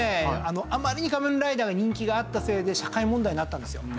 あまりに『仮面ライダー』が人気があったせいで社会問題になったんですよ。